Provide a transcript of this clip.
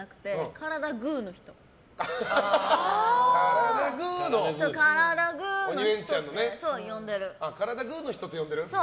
カラダぐぅの人って呼んでる？